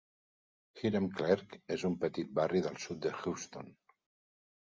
Hiram Clarke és un petit barri del sud de Houston.